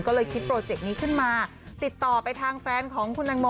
ก็เลยคิดโปรเจกต์นี้ขึ้นมาติดต่อไปทางแฟนของคุณตังโม